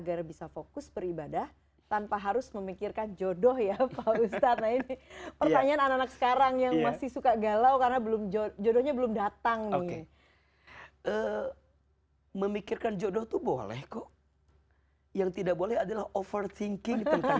gapai kemuliaan akan kembali setelah ini